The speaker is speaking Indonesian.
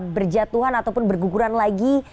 berjatuhan ataupun berguguran lagi